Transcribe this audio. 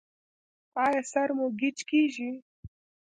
ایا سر مو ګیچ کیږي؟